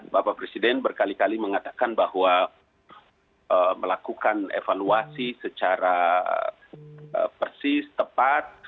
bapak presiden berkali kali mengatakan bahwa melakukan evaluasi secara persis tepat